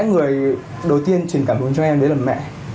có lẽ người đầu tiên truyền cảm hứng cho em đấy là mẹ